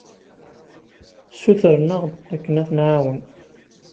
Ssutren-aɣ-d akken ad ten-nɛawen.